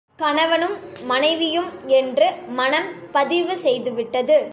கணவனும், மனைவியும் என்று மனம் பதிவு செய்துவிட்டது.